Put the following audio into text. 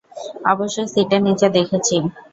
অবশ্যই সিটের নিচে দেখেছি!